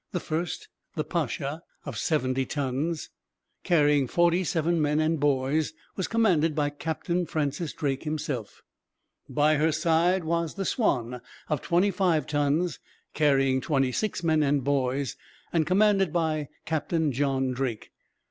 The first, the Pacha, of seventy tons, carrying forty seven men and boys, was commanded by Captain Francis Drake himself. By her side was the Swanne, of twenty five tons, carrying twenty six men and boys, and commanded by Captain John Drake.